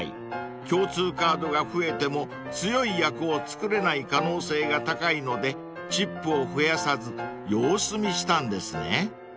［共通カードが増えても強い役を作れない可能性が高いのでチップを増やさず様子見したんですね］